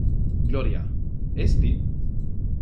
Gloria, es ti?